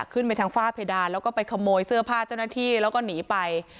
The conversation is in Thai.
ขึ้นไปทางฝ้าเพดานแล้วก็ไปขโมยเสื้อผ้าเจ้าหน้าที่แล้วก็หนีไป